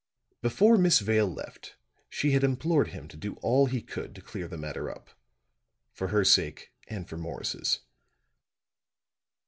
Before Miss Vale left she had implored him to do all he could to clear the matter up, for her sake and for Morris's.